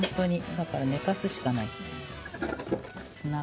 だから寝かすしかない。